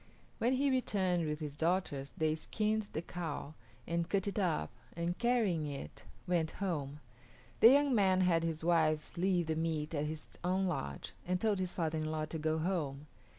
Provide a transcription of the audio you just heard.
When he returned with his daughters they skinned the cow and cut it up and, carrying it, went home. The young man had his wives leave the meat at his own lodge and told his father in law to go home.